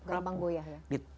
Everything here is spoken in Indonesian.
gampang goyah ya